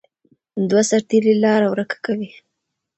دوه سرتیري لاره ورکه کوي.